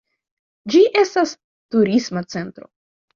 Ĝi estas turisma centro.